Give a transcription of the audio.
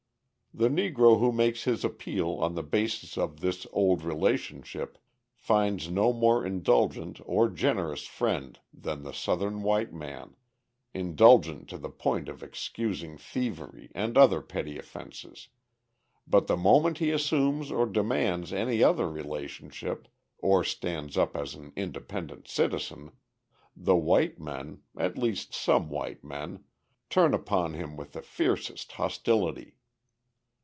The Negro who makes his appeal on the basis of this old relationship finds no more indulgent or generous friend than the Southern white man, indulgent to the point of excusing thievery and other petty offences, but the moment he assumes or demands any other relationship or stands up as an independent citizen, the white men at least some white men turn upon him with the fiercest hostility.